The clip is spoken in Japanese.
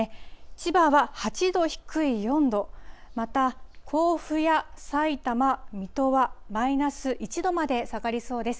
千葉は８度低い４度、また甲府やさいたま、水戸は、マイナス１度まで下がりそうです。